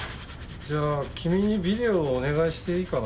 じゃあ君にビデオをお願いしていいかな？